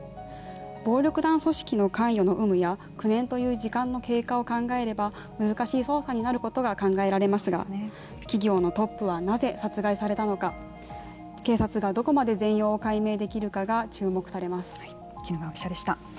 暴力団組織の関与の有無や９年という時間の経過を考えれば難しい捜査になることが考えられますが企業のトップはなぜ殺害されたのか警察がどこまで全容を解明できるかが絹川記者でした。